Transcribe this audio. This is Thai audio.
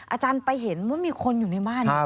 อาจารย์ไปเห็นว่ามีคนอยู่ในบ้าน